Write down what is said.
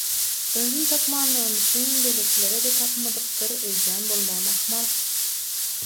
Özüm tapmanlygym üçin beýlekilere-de tapmadykdyr öýdýän bolmagym ahmal.